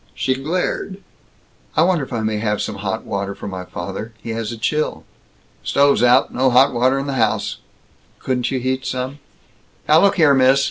She glared. "I wonder if I may have some hot water for my father? He has a chill." "Stove's out. No hot water in the house." "Couldn't you heat some?" "Now look here, miss.